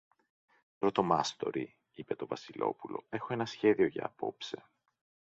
Πρωτομάστορη, είπε το Βασιλόπουλο, έχω ένα σχέδιο για απόψε.